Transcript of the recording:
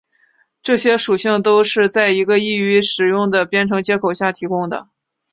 这些属性都是在一个易于使用的编程接口下提供的。